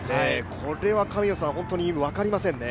これは本当に分かりませんね。